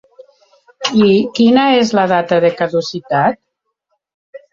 I quina és la data de caducitat?